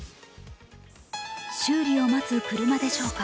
修理を待つ車でしょうか。